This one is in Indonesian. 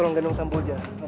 dengan penutup pukul pilihan